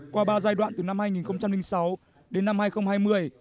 qua ba giai đoạn từ năm hai nghìn sáu đến năm hai nghìn hai mươi